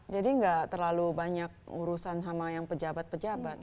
jadi enggak terlalu banyak urusan sama yang pejabat pejabat